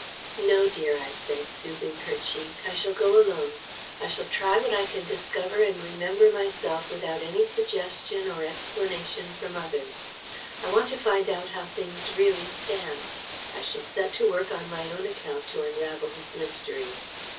"No, dear," I said, soothing her cheek; "I shall go alone. I shall try what I can discover and remember myself without any suggestion or explanation from others. I want to find out how things really stand. I shall set to work on my own account to unravel this mystery."